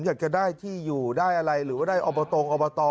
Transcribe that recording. อยากจะได้ที่อยู่ได้อะไรหรือว่าได้อบตอบต